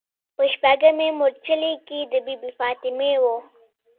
په شپږمې مورچلې کې د بي بي فاطمې و.